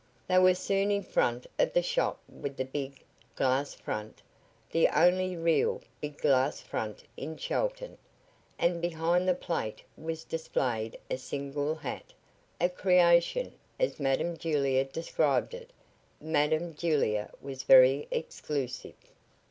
They were soon in front of the shop with the big' glass front the only real, big glass front in Chelton and behind the plate was displayed a single hat a creation as Madam Julia described it. Madam Julia was very exclusive.